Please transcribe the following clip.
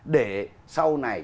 để sau này